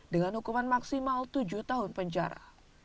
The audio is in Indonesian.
dengan hukuman maksimal tujuh tahun penjara